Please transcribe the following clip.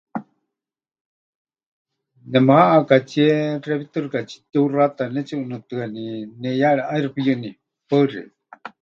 Nemɨhaaʼakatsie xewítɨ xɨka tsi tiuxata, netsiʼunɨtɨáni, neʼiyaari ʼaixɨ pɨyɨní. Paɨ xeikɨ́a.